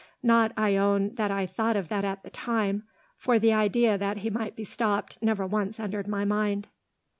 Not, I own, that I thought of that at the time, for the idea that he might be stopped never once entered my mind."